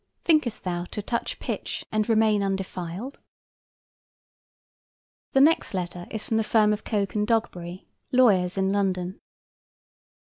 Thinkest thou to touch pitch and remain undefiled? The next letter is from the firm of Coke & Dogberry, lawyers in London.